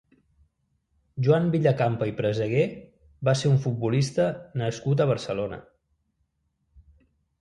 Joan Villacampa i Presegué va ser un futbolista nascut a Barcelona.